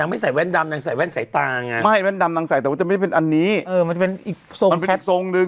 ไม่แว่นดำนางใส่แต่ว่าจะไม่เป็นอันนี้เออมันจะเป็นอีกทรงนึง